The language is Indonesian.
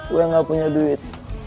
gua gak punya duit